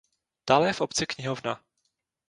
Dále je v obci knihovna.